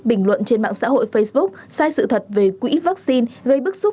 bình luận trên mạng xã hội facebook sai sự thật về quỹ vaccine gây bức xúc